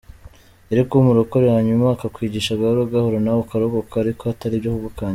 Yari kuba umurokore hanyuma akakwigisha gahoro gahoro nawe ukarokoka ariko ataribyo kugukangisha.